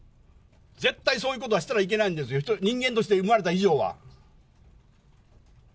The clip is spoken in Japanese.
絶対、そういうことはしたらいけないんですよ、人間として生まれた以上は。